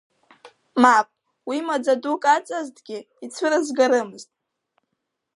Мап, уи маӡа дук аҵазҭгьы, ицәырызгарымызт!